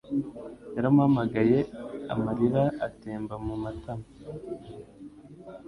Yaramuhamagaye, amarira atemba mu matama.